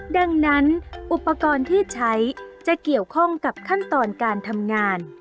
ดังนั้นอุปกรณ์ที่ใช้จะเกี่ยวข้องกับขั้นตอนการทำงาน